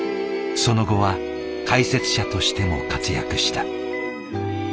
その後は解説者としても活躍した。